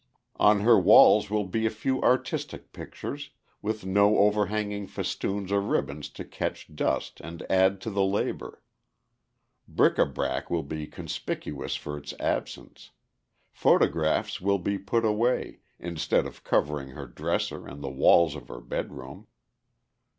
"On her walls will be a few artistic pictures, with no overhanging festoons or ribbons to catch dust and add to the labor. Bric a brac will be conspicuous for its absence; photographs will be put away, instead of covering her dresser and the walls of her bedroom.